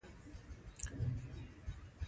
د ترمامتر مخزن د جسم سره په تماس کې ږدو.